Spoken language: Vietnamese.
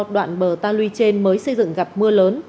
đoạn bờ ta luy trên mới xây dựng gặp mưa lớn